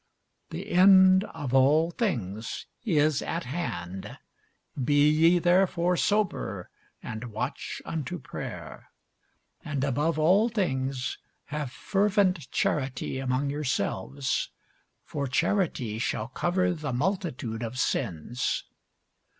The end of all things is at hand: be ye therefore sober, and watch unto prayer. And above all things have fervent charity among yourselves: for charity shall cover the multitude of sins.